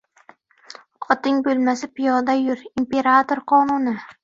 • Oting bo‘lmasa piyoda yur — imperator qonuni.